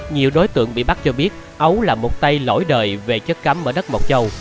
nhiều đối tượng bị bắt cho biết ấu là một tay lỗi đời về chất cấm ở đất mộc châu